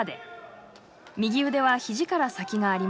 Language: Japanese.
右腕は肘から先がありません。